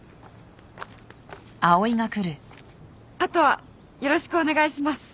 あとはよろしくお願いします。